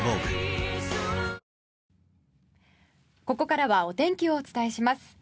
ここからはお天気をお伝えします。